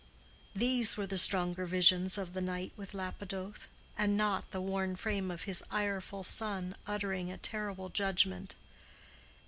These were the stronger visions of the night with Lapidoth, and not the worn frame of his ireful son uttering a terrible judgment.